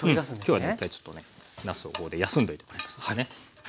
今日はね一回ちょっとねなすをここで休んでおいてもらいますんでね。